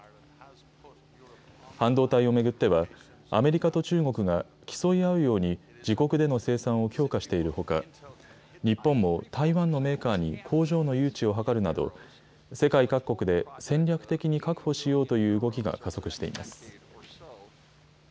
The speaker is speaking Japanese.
半導体を巡っては、アメリカと中国が競い合うように、自国での生産を強化しているほか、日本も台湾のメーカーに工場の誘致を図るなど、世界各国で戦略的に確保しようという動きが加速しています。